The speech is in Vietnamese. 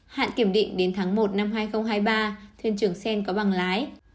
hạn kiểm định đến tháng một năm hai nghìn hai mươi ba thuyền trưởng sen có bằng lái